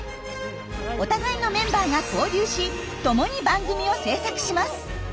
お互いのメンバーが交流しともに番組を制作します。